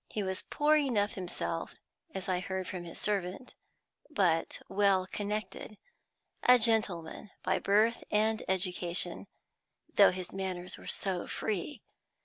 He was poor enough himself, as I heard from his servant, but well connected a gentleman by birth and education, though his manners were so free.